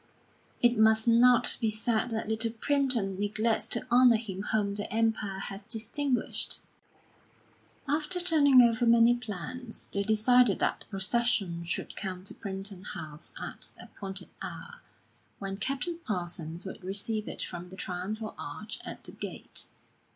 It must not be said that Little Primpton neglects to honour him whom the Empire has distinguished." After turning over many plans, they decided that the procession should come to Primpton House at the appointed hour, when Captain Parsons would receive it from the triumphal arch at the gate....